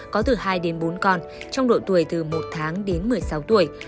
có từ hai đến bốn con trong độ tuổi từ một tháng đến một mươi sáu tuổi